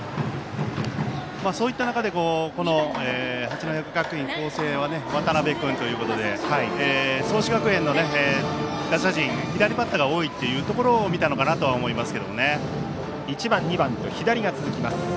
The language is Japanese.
そういった中で八戸学院光星は渡部君ということで創志学園の打者陣左バッターが多いというところを１番、２番と左が続きます。